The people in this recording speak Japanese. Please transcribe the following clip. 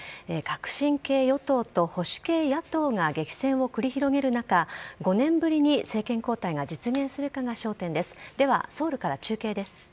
革新系与党と保守系野党が激戦を繰り広げる中、５年ぶりに政権交代が実現するかが焦点です。